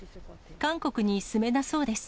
韓国に住めなそうです。